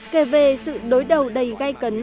kể về sự đối đầu đầy gai cấn